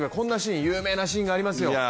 有名なシーンがありますよ。